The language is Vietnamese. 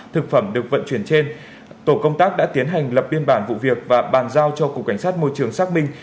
thực phẩm được vận chuyển trên tổ công tác đã tiến hành lập biên bản vụ việc và bàn giao cho cục cảnh sát môi trường xác minh